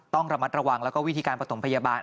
ต้องระมัดระวังแล้วก็วิธีการประถมพยาบาล